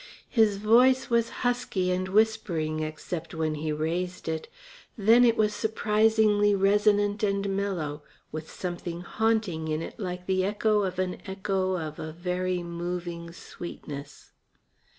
His voice was husky and whispering, except when he raised it. Then it was surprisingly resonant and mellow, with something haunting in it like the echo of an echo of a very moving sweetness.